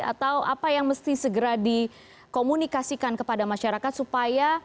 atau apa yang mesti segera dikomunikasikan kepada masyarakat supaya